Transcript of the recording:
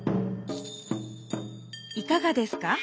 いかがですか？